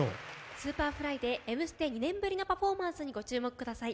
Ｓｕｐｅｒｆｌｙで「Ｍステ」２年ぶりのパフォーマンスにご注目ください。